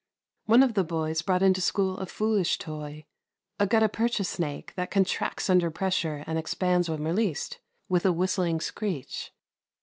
One of the boys brought into school a foolish toy a gutta percha snake that contracts under pressure and expands when released, with a whistling screech.